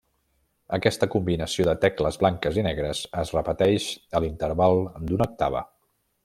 Aquesta combinació de tecles blanques i negres es repeteix a l'interval d'una octava.